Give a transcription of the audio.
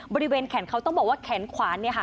บริเวณแขนเขาต้องบอกว่าแขนขวาเนี่ยค่ะ